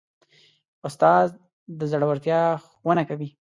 استاد د زړورتیا ښوونه کوي.